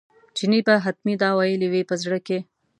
چیني به حتمي دا ویلي وي په زړه کې.